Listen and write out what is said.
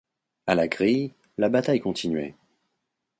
À la grille, la bataille continuait.